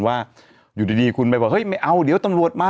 ว่าอยู่ดีคุณไปบอกเฮ้ยไม่เอาเดี๋ยวตำรวจมา